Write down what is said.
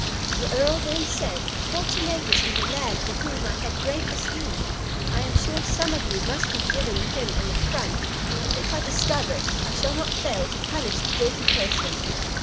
The Earl then said, "Fortunatus was a lad for whom I had a great esteem; I am sure some of you must have given him an affront; if I discover it, I shall not fail to punish the guilty person."